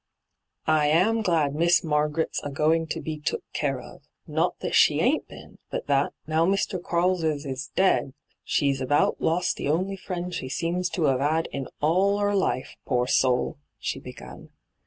' I am glad Miss Marg'ret's a going to be took oare of — not that she ain't been, but that, now Mr. Quarles 's dead, she's about lost the only friend she seems to *ave 'ad in all 'er life, poor soul !' she began.